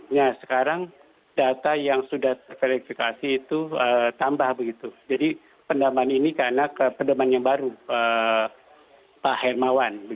nah sekarang data yang sudah di verifikasi itu tambah begitu jadi perdeman ini karena ke perdeman yang baru pak hermawan